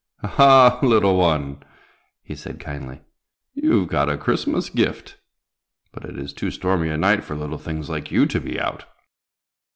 "Ah, ha! little one," he said kindly, "you've caught a Christmas gift, but it is too stormy a night for little things like you to be out."